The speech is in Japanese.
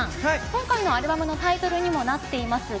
今回のアルバムのタイトルにもなっています